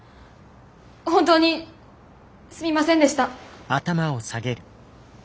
本当にすみませんでした。